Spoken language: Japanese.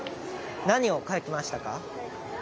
何を書きましたか？